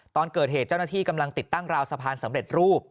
ตอนเกิดเหตุเจ้าหน้าที่กำลังติดตั้งราวสะพานสำเร็จรูป